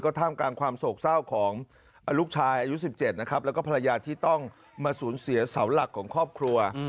ท่ามกลางความโศกเศร้าของลูกชายอายุ๑๗นะครับแล้วก็ภรรยาที่ต้องมาสูญเสียเสาหลักของครอบครัว